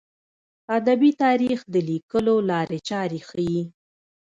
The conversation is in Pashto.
د ادبي تاریخ د لیکلو لارې چارې ښيي.